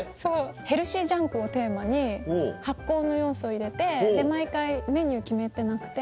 ヘルシージャンクをテーマに発酵の要素を入れて毎回メニュー決めてなくて。